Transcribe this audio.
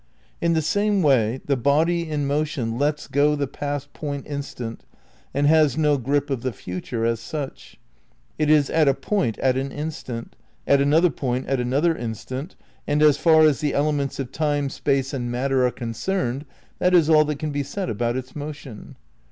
In the same way the body in motion lets go the past point instant and has no grip of the future as such. It is at a point at an instant ; at another point at another instant, and as far as the elements of time, space and VI RECONSTRUCTION OF IDEALISM 225 matter are concerned tliat is all that can be said about its motion.